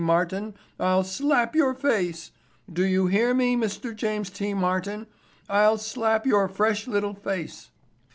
Martin, I'll slap your face. Do you hear me, Mr. James T. Martin?—I'll slap your fresh little face."